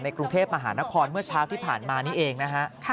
กรุงเทพมหานครเมื่อเช้าที่ผ่านมานี้เองนะฮะ